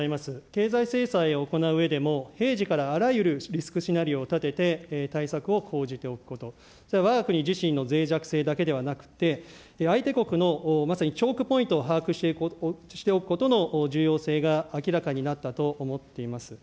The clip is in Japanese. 経済制裁を行ううえでも平時からあらゆるリスクシナリオを立てて、対策を講じておくこと、わが国自身のぜい弱性だけではなくて、相手国のまさに超過ポイントを把握しておくことの重要性が明らかになったと思っています。